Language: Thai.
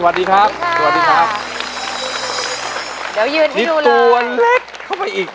นี่ตัวเล็กเข้าไปอีก